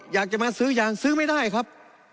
อยากจะมาซื้อยางซื้อไม่ได้ครับ